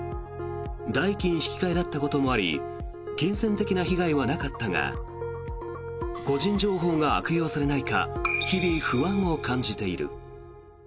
代金引換だったこともあり金銭的な被害はなかったが個人情報が悪用されないか日々不安を感じている。